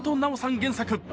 原作。